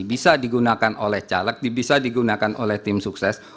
bisa digunakan oleh caleg bisa digunakan oleh tim sukses